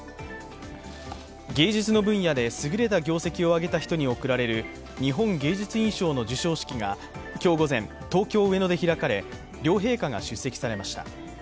芸術の分野で優れた業績を挙げた人に贈られる日本芸術院賞の授賞式が今日午前、東京・上野で開かれ、両陛下が出席されました。